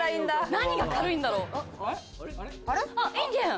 何が軽いんだろう？